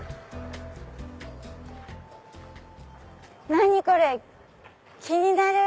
何これ⁉気になる！